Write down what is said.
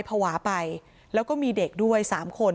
ภาวะไปแล้วก็มีเด็กด้วย๓คน